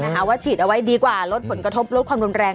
ว่าฉีดเอาไว้ดีกว่าลดผลกระทบลดความรุนแรง